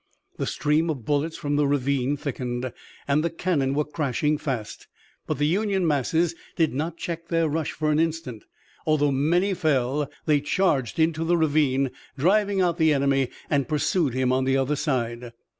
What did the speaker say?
The stream of bullets from the ravine thickened, and the cannon were crashing fast. But the Union masses did not check their rush for an instant. Although many fell they charged into the ravine, driving out the enemy, and pursued him on the other side.